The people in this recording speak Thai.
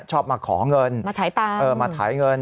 ชอบมาขอเงินมาถ่ายเงิน